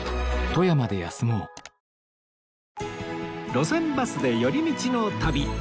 『路線バスで寄り道の旅』